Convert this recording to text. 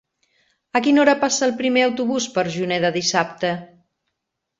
A quina hora passa el primer autobús per Juneda dissabte?